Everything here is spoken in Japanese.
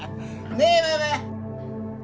ねえママ。